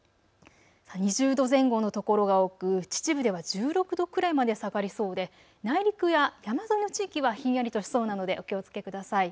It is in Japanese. ２０度前後の所が多く秩父では１６度くらいまで下がりそうで内陸や山沿いの地域はひんやりとしそうなのでお気をつけください。